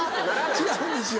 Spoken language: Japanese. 違うんですよ。